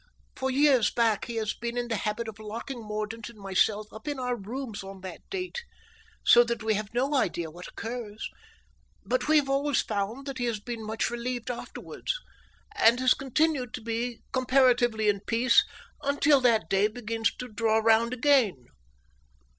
For years back he has been in the habit of locking Mordaunt and myself up in our rooms on that date, so that we have no idea what occurs, but we have always found that he has been much relieved afterwards, and has continued to be comparatively in peace until that day begins to draw round again."